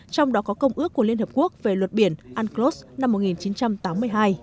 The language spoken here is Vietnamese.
trong đó có công ước của liên hợp quốc về luật biển unclos năm một nghìn chín trăm tám mươi hai